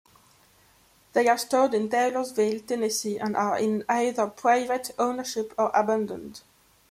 They are stored in Taylorsville Tennessee and are in either Private ownership or abandoned.